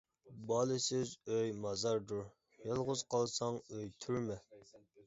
بالىسىز ئۆي مازاردۇر، يالغۇز قالساڭ ئۆي تۈرمە.